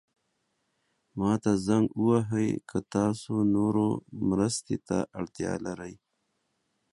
ما ته زنګ ووهئ که تاسو نورو مرستې ته اړتیا لرئ.